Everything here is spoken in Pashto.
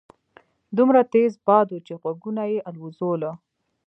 دومره تېز باد وو چې غوږونه يې الوځول.